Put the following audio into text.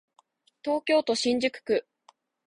東京都新宿区